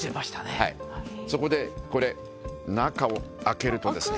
これ中を開けるとですね